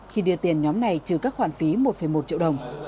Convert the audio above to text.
khi đưa tiền nhóm này trừ các khoản phí một một triệu đồng